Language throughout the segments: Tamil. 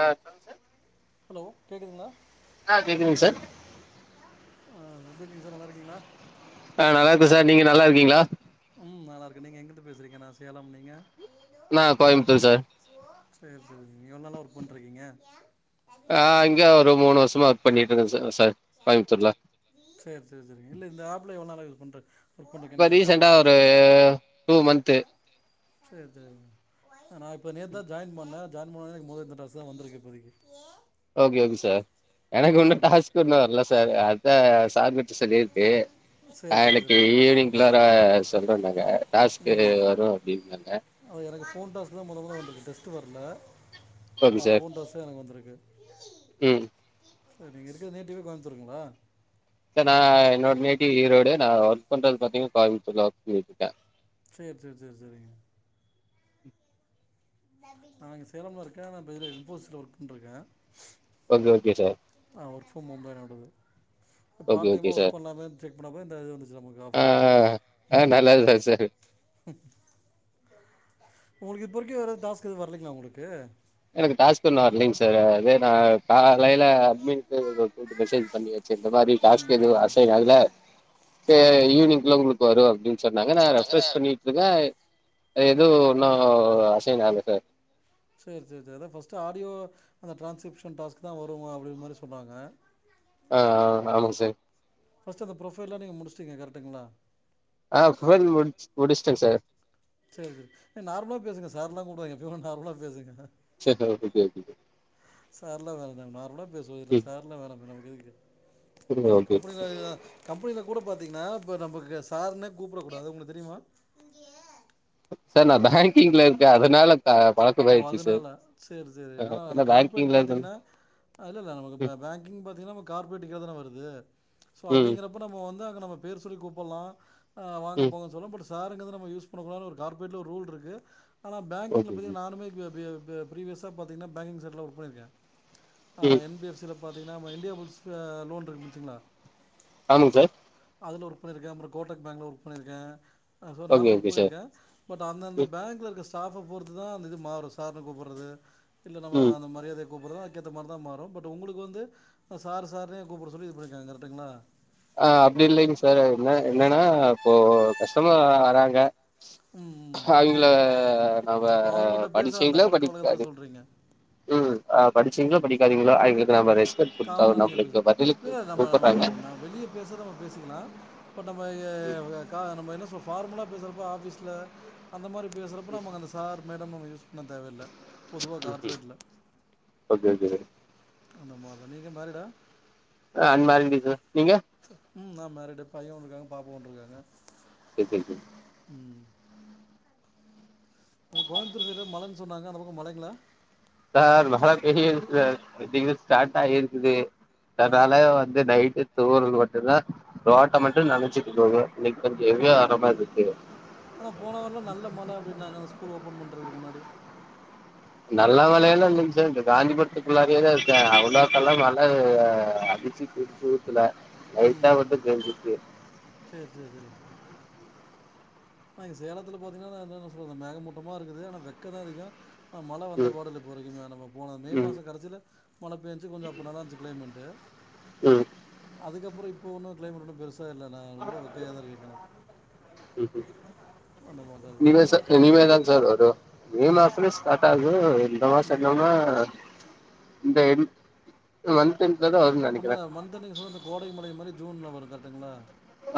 ஆஹ் சொல்லுங்க சார் ஹலோ கேக்குதுங்களா ஆஹ் கேக்குதுங்க சார் ஆஹ் எப்படி இருக்கீங்க சார் நல்லா இருக்கீங்களா ஆஹ் நல்லா இருக்கும் சார் நீங்க நல்லா இருக்கீங்களா உம் நல்ல இருக்கு நீங்க எங்கிட்டு பேசுருக்கங்கன் நான் சேலம் நீங்க நான் கோயம்புத்தூர் சார் சரி சரி ச நீ எவ்ளவு நாளா ஒர்க் பண்ணிட்டு இருக்கீங்க ஆஹ் இங்க ஒரு மூணு வருஷமா ஒர்க் பண்ணிட்டு இருந்தேன் சார் சார் கோயம்புத்தூர்ல சரி சரி சரிங்க இல்ல இந்த ஆப்ல எவ்வளவு நாளா ஒர்க் பண்ணிட்டு இருக்கீங்க இப்ப ரீசன்டா ஒரு டூ மந்த் சரி சரி நா இப்போ நேத்து தா ஜாயின் பண்ண நார்மலா மோத பட்டாசு தான் வந்திருக்கு இப்போதைக்கு ஓகே-ஓகே சார் எனக்கு ஒன்னு ஓகே டாஸ்க் இன்னும் வரல சார் இந்த [unintelligible] இருக்கு சரி ஹா சரி இன்னிக்கு சரிங்க ஈவினிங்குலார சொல்றனாங்க டாஸ்க்கு வரும் அப்டின்னாங்க போன் டாஸ் தா முதமுதல வந்து டெஸ்ட் வரல ஓகே ஹா சார் போன் டாஸ் எனக்கு வந்திருக்கு ம் நீங்க இருக்க நேட்டிவே கோயம்புத்தூருங்களா நா என்னோட நேட்டிவ் ஈரோடு நான் ஒர்க் பண்றது பாத்திங்க கோயம்புத்தூர் வந்துருக்கே செரி-செரி-செரி-செரி [inaudible] நா இங்க சேலம்ல இருக்கேன் நா பேயல எக்ஸ்போஸ்ல ஒர்க் பண்ணிட்டுருக்க ஓகே-ஓகே சார் வொர்க் ஃபிரம் ஓம்ல ஏதாவது ஓகே பார் டைமா ஓகே ஒர்க் சார் பண்ணலாமே செக் பண்ணப்ப இந்த இ வந்துச்சு நமக்கு ஆ ஆபர் ஆ ஆ நல்லா இருக்கே சார் உங்களுக்கு இப்பரைக்கும் எது டாஸ்க் எது வரலீங்களா உங்களுக்கு எனக்கு டாஸ்க் ஒண்ணும் வரலீங்க சார் அதே நான் காலயில அட்மின்ட்டு கூட்டு மெசேஜ் பண்ணிடே செரி இந்த மாதிரி டாஸ்க் ம் எது ம். அசைன் ஆகல செ சரிங்க ஈவினிகுல உங்களுக் வரும் அப்டி சொன்னாங்க நான் ரெபரஷ் பண்ணிட்டுருக்கே எது இன்னும் அசைன் ஆகல சார் செரி-செரி சார் ஃபர்ஸ்ட் ஆடியோ அந்த டிரான்ஸ்கிரிப்ஷன் டாஸ்க் தா வரும்மா அப்டின்னு மாதிரி சொல்லிறாங்க ஹா-ஹா ஆமாங்க சார் ஃபர்ஸ்ட் ப்ரொபைல நீங்க முடிச்சீங்க கரக்டுங்களா ஹா போன் முடிச்சிட்டேன் சார் செரி-செரி நார்மலா பேசுங்க சார் எல்லா கூப்பிடாதீங்க எப்பய நார்மலா பேசுங்க [unintelligible] சார்லா வேணா நார்மல இப்ப சொல சார் எல்லாம் வேணா [unintelligible] ம் அவ ஓகே கம்பெனில-கம்பெனில கூட பாத்தீங்கன்னா இப்ப நமக்கு சார்னே கூப்பிட கூடாது உங்களுக்கு தெரியுமா சார் நான் பேங்கிங்ல இருக்கேன் அதனால த ஓ பழக்கமாயிடுச்சு சார் அதனால செரி-செரி அஹ், ஏன்னா கார்ப்ரேட் பேங்கிங்ல இருக்க பாத்தீங்கன்னா ம் இல்லலா பேங்கிங் பாத்தீங்கன்னா கார்ப்ரேட்டிக்க தானே வருது ம் அப்டிங்கறப நம்ம வந்து நம்ம பேர் சொல்லி கூப்பலாம் ஹா வாங்க ம் போங்க சொன்ன சாருங்குரத நம்ம யூஸ் பண்ண கூடாதுனு ஒரு கார்பரேட் ஒரு ரூல் இருக்கு ஆனா பேங்கிங்ல [unintelligible] ஓகே ஓகே பிரிவியர்ஸ் பாத்தங்கனா பேங்கிங் செட்ல ஒக் பண்ணிருகன் ஆ ம் என் பி ஸ் ல பாதீங்கனா இந்தியா புல்ஸ் லோன் இர்கு முடிசுங்ளா ஆமாங் சார் அதுல ஒர்க் பணிருகன் அப்புற கோடக் பேங்ல ஒர்க் பணிருகன் சோ ஓகே நானு ஒர்க் ஓகே சார் பணிருகன் பட் அந்த-அந்த ம் பேங்ல இருக்க சாப்ட போது இதுதாந்த இது மாரு சார்னு கூப்பிறது இல்ல ம் நம்மந்த மரியாதை கூப்றதுகேத மாறு பட் உங்ளுகு வந்து சாரு சாருனு கூப்ட சொல்லி இது பண்ணிருங்களா இந்தடதுல அஹ் அப்படி இல்லக சார் என்ன என்னனா இப்ப கஷ்டமர் வராங்க ம் ம் அவங்கள அவ ஓ அவங்கள்ட்ட பேசுற அந்த படிச்சல பழக்க வழக்கத்துல படிபு சொல்றீங்க உம் ஆ படிசீகளோ படிகாதீகளோ அவகளுகு அம்பது காமனா வயசு பதிலுகு கூப்பறாக இப்டி பேசூறவக பேசிக்கலா இப்ப நம்ம-நம்ம என்ன ஃபார்முலா பேசுறப ஆஃபீஸில அந்த மாரி பேசறபோ நமகு அந்த சார் மேட ஒன்னும் தேவையில்ல உம் ஓகே ஓகே அந்த மால் நீங்க மெரிடா ஆஹ் அன்மெரிடுங்க நீங்க ம் நா மெரிடு பையன் ஒன்னு இருங்காங்க பாபா ஒன்னு இருங்காங்க சேரி சேரி சேரி உம் கோயம்பத்தூர் சைடுல மழைன்னு சொன்னாங்க அந்த பக்க மழைங்களா சார் மழை பெய்து சார் ம் ஸ்டார்ட் ஆகி இருக்குது ஆ அதனால வந்து நைட்டு தூறல் மட்டும் தான் ரோட்ட மட்டும் நெனச்சிட்டு போவுது இப்ப ஹெவி ஆகுற ம் மாரி இருக்கு ஆனா போன வாரலா நல்ல மழ அப்டின்னாங்க அந்த ஸ்கூல் ஓபன் பண்றதுக்கு முன்னாடி நல்ல மழை எல்லா இல்லைங்க சார் இந்த காந்திபுரத்துக்கு உள்ளாரயே தான் இருக்கேன், அவளுத்துக்கெல்லா மழை அடிச்சு புடிச்சு ஊத்தல லைட்டா ம் மட்டும் பெஞ்சிருக்கு சேரி நா சேலத்துல பாத்தீங்கனா நா அதன் சொல்றே மேகமூட்டமா இருகுது ஆனா வெக்க தான் அதிகம் ஆஹ மழை வந்த பாடு இல்ல இப்ப வரைக்குமே நம்ம போன மே ம் மாச கடைசியில மழை பேஞ்சு கொஞ்சோ அப்போ நல்லா இருந்துச்சு கிளைமேட்டு ம் அதுக்கப்புறம் இப்போ ஒன்னும் கிளைமேட் பெருசா இல்ல இல்ல நான் ரொம்ப வெக்கையாதா இருக்கு இங்கயெல்லா நீவே சார் இனிவே தான் சார் வருவா மே மாசமே ஸ்டார்ட் ஆகுது இந்த மாசம் ம் என்னனா இந்த வந் ஆமா மந்த் எண்டல கோடை மழை மாரி ஜூன்ல வரும் கரெக்ட்டுங்களா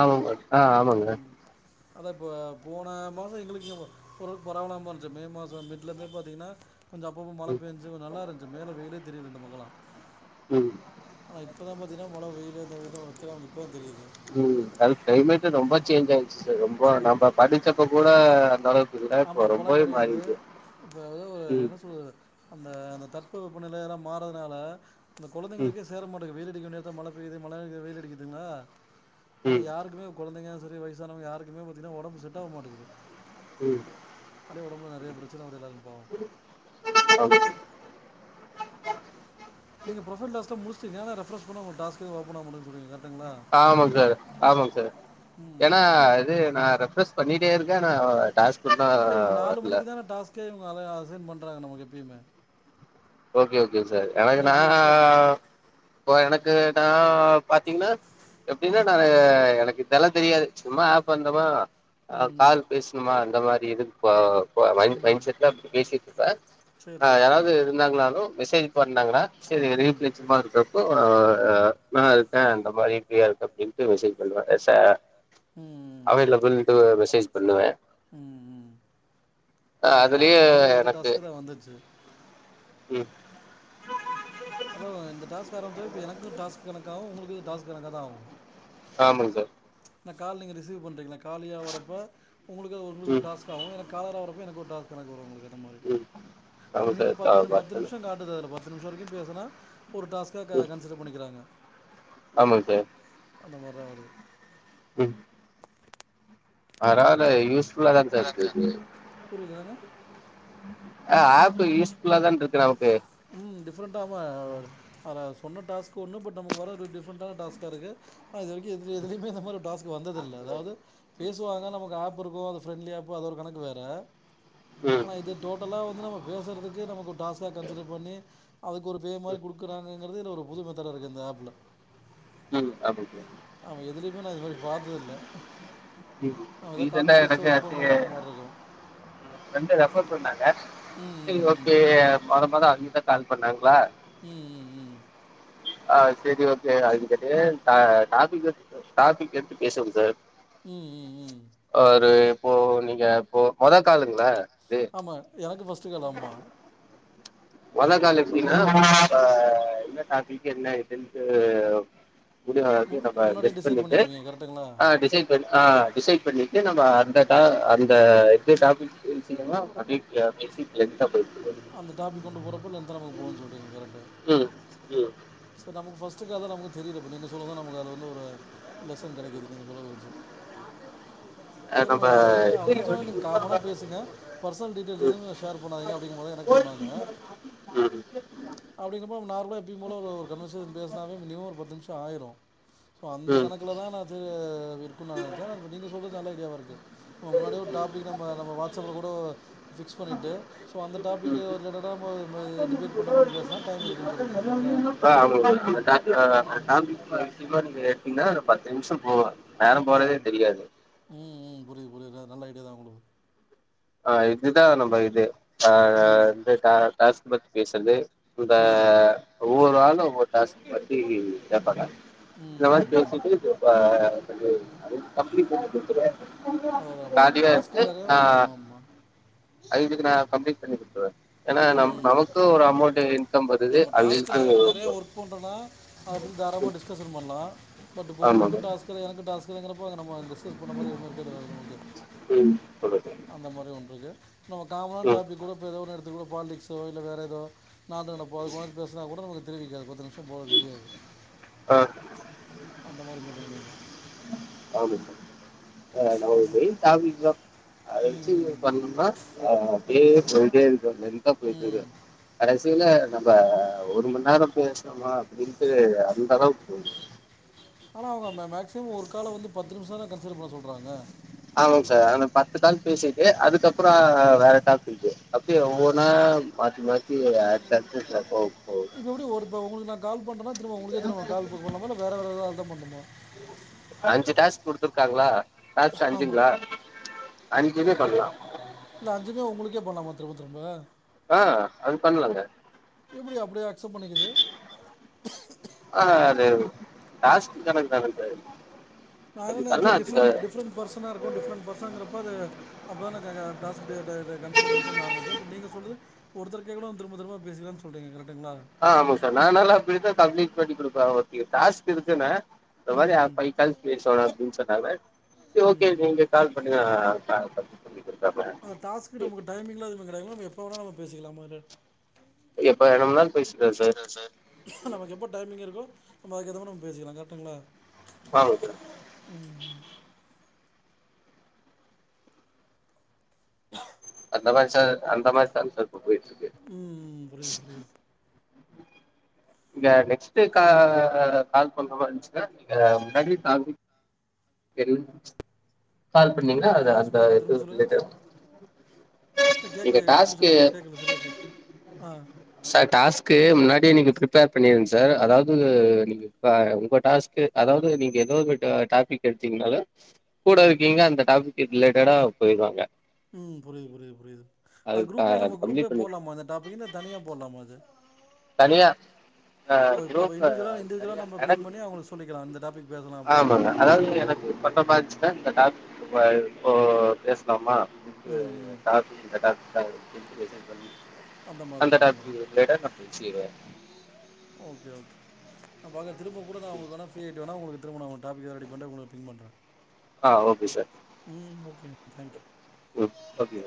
ஆமாங்க ஆஹ் ஆமாங்க அதான் இப்ப போன மாசோ எங்களுக்கு இங்க பரவாயில்லாம இருந்துச்சி மே மாச மிட்ல இருந்தே பாத்தீங்கன்னா இங்க அப்பப்போ மழை ம் பெஞ்சி நல்லா இருந்திச்சி மேல வெயிலே தெரியுது இந்தப் பக்கம் எல்லா உம் ஆனா இப்பதான் பாத்தீங்கன்னா மழை வெயிலு அந்த இது வெக்க எல்லா இப்பதான் தெரியுது உஹம் அது கிளைமேட் ரொம்ப சேஞ்ச் ஆயி ரொம்ப நம்ம ஆமாம் படிச்சப்ப கூட அந்த அளவுக்கு இல்ல ஆமா இப்போ அப்போலாம் ரொம்பவே கிடையாது மாறிட்டு இப்போ ஏதோ ஒரு என்ன சொல்கிறது அந்த தட்பு வெப்பநிலை எல்லா மாறதுனால இந்த ம் கொழந்தைகளுக்கே சேரமாட்டிங்குது வெயிலடிக்க நே மழ பெய்யுது மழ வெயில் அடிக்குதுன்னா ஆனா ம் யாருக்குமே கொழந்தைங்க சரி வயசானவுங்க யாருக் குமே பாத்தீங்கன்னா உடம்பு செட்டாவ மாட்டிங்குது உம் உடம்புல நறைய பிரச்சனை வரதால் ஆமா நீங்க ப்ரொஃபைல் டாஸ்க்க முடுச் டிங்க ஆனா ரெஃப்ரெஷ் பன்னா டாஸ்க்கு எதுவும் ஓப்பன் ஆகமாட்டிங்கிது சொல்றிங்க ஆமாங்க சார் ஆமாங்க சார் ம் ஏன்னா இல்லை இது நான் ரெஃப்ரெஸ் பண்ணி ட்டே இருக்கேன் ஆனா டாஸ்க் இன்னு இல்ல இவுங்க நாலு வர்ல மணிக்கு தானே டாஸ்கே அத அசைண் பண்றாங்க நமக்கு எப்பயுமே ஓகே ஓகே சார் ஏன்னா எனக்குன்னா இப்போ இப்போ இப்ப எனக்குன்னா பாத்தீங்கன்னா எப்பயுமே நான் எனக்கு இதெல்லாம் தெரியாது சும்மா ஆப் வந்தமா ஆஹ் ம் ம் கால் பேசணுமா அந்த மாரி இது இப்ப இப்ப மைன் ம் மைன்செட்ல பேசிட்டு இருக்கேன் சரி ஆஹ் சரி யாராவது சரிங்க நாலும் மெசேஜ் பண்ணுணாங்களா செரி ம் ரீப்ளே சும்மா இருக்காது இப்போ நான் இருக்கேன் அந்த மாரி ஃப்ரியா இருக்கு அப்படின்ட்டு மெசேஜ் பண்ணுவேன் உம் உம் புரியுது புரியது அவேலபிள்ட்டு மெசேஜ் பண்ணுவே பண்ணுவேன் உம் உம் ஆ ஆஹ் இப்ப அதுலயே ஆரம்பத்துலயே இந்த டாஸ்க்கு தான் வந்துச்சு உம் அதான் இந்த டாஸ்க்கு ஆரம்பிச்சாவே இப்ப எனக்கும் டாஸ்க் கணக்காகும் உங்களுக்கும் டாஸ்க் கணக்காக தான் ஆகும் ஆமாங்க சார் என்ன கால் நீங்க ரிசவ் பண்ணறீங்களா காலியா வரப்ப உங்களுக்கு உங்களுக்குன்னு ஒரு ம் டாஸ்க் ஆகும் எனக்கு காலரா வர எனக்கு ஒரு டாஸ்க் கணக்கு வரும் உங்களுக்கு மாரி ம் ஆமாங்க சார் மினிமம் ஆ பத்து பத்து வத்தலு நிமிஷம் காட்டுது அதுல பாத் பத்து நிமிஷம் வரைக்கும் பேசுனா ஒரு டாஸ்க்கா ம் கன்சிடர் பண்ணிக்கிறாங்க ஆமாங்க ஆமா சார் அந்த மாதிரி தான் வருது உம் ஆறா அத யூஸ் ஃபுல்லா தான் சார் இருக்கு புரியுது என்னங்க ஆஹ் ஆப்பு யூஸ்ஃபுல்ல தான் இருக்கு நமக்கு டிஃப்ரெண்ட்டா [unintelligible] சொன்ன டாஸ்க் ஒன்னு பட் நமக்கு வரது டிஃப்ரெண்ட்டான டாஸ்க்கா இருக்கு ஹ இதுவரைக்கும் எதுலயும் எதுலயுமே இந்த மாரி டாஸ்க் வந்ததில்லை அதாவது பேசுவாங்க நமக்கு ஆப் இருக்கும் அது ஃப்ரண்டலி ஆப்பு அது ஒரு கணக்கு வேற ம் ஆனா இது டோட்டலா வந்து நம்ம பேசுறதுக்கு நமக்கு டாஸ்கா கன்சிடெர் பண்ணி அதுக்கு ஒரு பே மாதிரி ம் குடுக்குறாங்க ங்ருரது இது ஒரு புது மெத்தட் ஹா இருக்கு இந்த ஆப் லா ம் [unintelligible] [unintelligible] இது மாதிரி பார்த்தது இல்ல [unintelligible] பண்ணுவோம் அந்த மாதிரி இருக்கும் பிரண்ட்டு ரெஃபர் பண்ணாங்க ம் சரி ம் ஓகே [unintelligible] கால் பண்ணாங்ளா உம் உம் உம் ஆஹ் சரி ஓகே அது [unintelligible] டா டாபிக் டாபிக் எடுத்து பேசுவோங் சார் உம் உம் உம் ஒரு இப்போ நீங்க இப்போ மொத காலுங்ள ஆமா எனக்கு பஸ்ட் கத்துகலாம மொத கால எப்டினா இப்ப என்ன டாபிக் என்ன ஏதுன்ட்டு மு [unintelligible] நம்ப முன்னாடியே கெஸ் டிசைட் பண்ணிட்டு் பண்ணிக்குவீங்க கரெக்ட்டுங்களா? அ டிசைட் பண் அ டிசைடு பண்ணிட்டு நம்ப அந்த தா அந்த எந்த டாபிக் பேசீ [unintelligible] பேசி லெந்த போ அந்த டாபிக் கொண்டு போறப்ப லென்தா நமக்கு போகனு சொல்றீங்க கரெக்டா உம் சார் நமக்கு ஃபஸ்டுகத நமக்கு தெரியலப்ப நீங்க சொல்றத நமக்கு அது வந்து ஒரு லெசன் கெடைக்குது நீங்க சொல்றத வச்சு அ சார் நம்ம நம்ப இது [unintelligible] நீங்க காமனா பேசுங்க பர்சனல் டீடெயில்ஸ் ம் எதுவுமே ஷேர் பன்னாதீங்க அப்டிங்கிறா மாரிதா எனக்கு சொன்னாங்க ம் அப்டிங்றோப்போ நார்மலா எப்பயும் போல ஒரு [unintelligible] மினிமம் ஒரு பத்து நிமிஷம் ஆயிரோ ஸோ அந்த கணக்கிலதா நா அது இருக்கோனு நா நெனச்சே ஆனா நீங்க சொல்றது நல்ல [unintelligible] முன்னாடியே ஒரு டாபிக் நம்ம நம்ம வாட்ஸ்அப்பில கூட ஃபிக்ஸ் பண்ணிட்டு ஸோ அந்த டாப்பிக்கு ம் ஒரு ம் ரிலேட்டடா நம்ம நம்ம டிபேட் பண்ற மாரி பேசனா டைம் இருக்குன் சொல்லிறீங்க கரெக்டுங்ளா ஆ ஆமா அந்த டா ம் இன்ன ஒரு பத்து நிமிஷம் போவா உம் உம் உம் புரியி ஒரு நல்ல ஐடியா எதுனா குடுங்க [unintelligible] ஆஹ் இதா நம்ப இது ம் அஹ் டாஸ்க் பத்தி பேசுறது இந்த ம் ஒவ்வொரு நாள் ஓரு டாஸ்கு ம் ம் ம். [unintelligible] [inaudible] அத அத ஆமா நம்ப டாஸ்க் தானே ஆமா ஆமா [unintelligible] [unintelligible] நம் உம் நமக்கு ஒரு அமௌண்ட் இன்கம் வருது நம்ப டாஸ்கு நிறைய அவிங்களுக்கு ஒர்க் பண்றோனா அதப்பத்தி தாரலமா டிஸ்கசன்பண்லா பட் இப்ப உங்களுக்கோ ஆமாங்க டாஸ்க்தானே எனக் [unintelligible] அப்பங்க நம்மங்க டிஸ்கஸ் பண்ண மாதிரி எதுவுமே இருக்கிறதுல்லது நமக்கு ம் சொல்லுங்க அந்த மாதிரி ஒன்று க்கு [unintelligible] நம்ம காமனான ம் டாபிக் கூட குள்ள பாலிடிக்ஸோ இல்ல வேற ஏதோ நாட்டுநடப்போ அந்த மரி பேசினா கூட நமக் தெரிவிக்காது பத்து நிமிசம் ஒ தெரியாது ஆ அந்த மாரி சொல்ரிங்க நீங்க ஆவுதி [unintelligible] ஆஹ் நம்ம ஓ உங்க மெயின் டாபிக் தான் அத வச்சு ம் பண்ணும்மா அஹ் அப்படியே சொல்லிட்டேரு லெந்தா போயிடருகு ம் கடைசீல நம்ப ஒரு மணி நேரம் பேசணோமா அப்படின்ட்டு அந்த அளவுக்கு ஆனா அவங்க மேக்சிமம் ஒரு கால வந்து பத்து நிமிஷம் தா கன்சிடர் பண்ண சொல்றாங்க ஆமாங்க சார் ஆனா பத்துநாள் பேசிட்டு அதுக்கப்பற வேறடாப்பிக் அப்படியே ஒவ்வொனா மாத்தி மாத்தி அடுத்த போக போக இதோடொருபவுனுதா [unintelligible] கால் பண்ற உங்களுக்கு கால் பலாம ந வேற வேறதாவது தான் பண்ணிருந்தோமா [unintelligible] ஐஞ்சு டாஸ்க் குடுத்துருக்காங்களா டாஸ்க் ஆமாம் ஐஞ்சுங்களா ஐஞ்சுமே பண்ணலாம் இல்ல அஞ்சுமே உங்களுகே போனொம திரும்ப திரும்ப ஆ அது பண்ணலாங்க எப்டி அப்டியே அக்செப்ட் பண்ணிக்குது? ஆ அது டாஸ்க் கனக்கு தானடறு நான என்ன நஞ்ச டிஃப்ரெண்ட் டிஃரெண்ட பெர்சனா இருக்கும் டிஃப்ரெண்ட்ர்சனங்கறப்பஅது அப்த க க டாஸ்கு அ ப க கன்சிடர் பண்ணிக்கோ ந நினச்சேன் பட் நீங்க சொன்னது ஒருத்தருக்கே கூட திரப திரபா பேசிக்கலாம் சொல்ரீங்க கர்ட் ஆ முஸ நானால பித கம்ப்பண்ணி அ ஓகே டாஸ்க் இருக்குன்ன அ ம் மாரிய ம். பை [unintelligible] கால் சொல்லணும்னு சொன்னாங்க சரி ம் ஓகே ம். நீங்க கால் பண்ணங் அஅ [unintelligible] அத டாஸ்க் நமக்கு டைமிங்லா எதுவும் கிடயாதுலங் இப்போவோன நம்ம பேசிக்கலாமாரி எப்ப வேணும்னாலு பேசிக்கலா சார் அ அ நமக்கு எப்போ டைமிங் இருக்கு நம்ம அதுக்குயேதா மாரி நம்ப பேசிக்லாம் கரட்ங்களா [inaudible] ஹ அதங்க சார் அந்த மாரி தான் சார் இப்போ போய் [inaudible] ம் ம். புரியுது புரியுது. இங்க நெக்ஸ்ட் கால் கால் பண்ணற மாரி இன்ச்சுக்க நீங்க [inaudible] என்ல் கால் பண்ணிங்கன்னா புரியல உங்க அத வாய்ஸ் அந்த பிரேக் ஆகுது இது திரும்ப சொல்லுங்க. இல்ல கேக்கல இந்த திரும்ப டாஸ்க் சொல்லுங்க கேக்கல சரியா கேக் ஆ. சார் டாஸ்க் முன்னாடியே நீங்க பிரிப்பேர் பண்ணீருங்க ச சார் அதாது நீங்க இப்ப உங்க டாஸ்க்கு அதாவது நீங்க ஏதோ டாபிக் கேஜிங்கனாத கூட ம் இருக்கீங்க அந்த டாபிக் ரிலேட்டடா புரிதாங்க உம் புரியது புரிது அது க குரூப்லயேலாம் அது மா குரூப்லயே கம்ப்ளீட் பண்ணி போலாம்மா அந்த டாபிக் தனியா போடலாமா அது தனியா ஆ ஓ இப்ப குரூப்ல இண்டிவிஜுவலா அ இண்டிவிஜுவலா தனியா நம்ம பிங் எனக்கு பண்ணி அவங்களுக்கு சொல்லிக்கலாம் இந்த டாபிக் பேசலாம் அப்படின்னு ஆமாங்க அதாவது எனக்கு பன்ற பாச்சு ட இந்த டாஸ்க்கு கா இப்போ பேசலாமா இப்பு ம் ம் டாபிக் இந்த டாபிக் [inaudible] மாதிரி அந்த சொல்றீங்க டாஸ்க் ரிலெட்ட ச்சிவ ஆ போங்க திரும்ப கூட நான் உங்களுக்கு வேனா பிரியாகீட்டு வேனா உங்களுக்கு இருங்க நா உங்க டாப்பிக்க ரெடி பண்ணீட்டு உங்களுக்கு பின் பண்றேன் ஆஹ் ஓகே சார் தேங்க் யூ ம் ஓகே